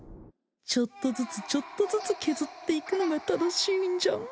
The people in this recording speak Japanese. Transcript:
ちょっとずつちょっとずつ削っていくのがタノシーんじゃん